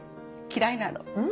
嫌いなの。